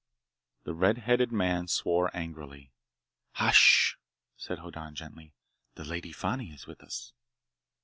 The red headed man swore angrily. "Hush!" said Hoddan gently. "The Lady Fani is with us."